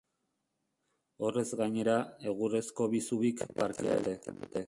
Horrez gainera, egurrezko bi zubik parkea edertzen dute.